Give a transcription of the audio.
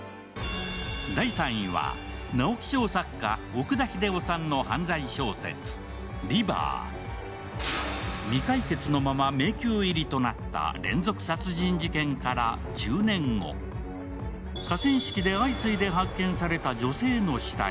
第３位は、直木賞作家、奥田英朗さんの犯罪小説「リバー」未解決のまま迷宮入りとなった連続殺人事件から１０年後、河川敷で相次いで発見された女性の死体。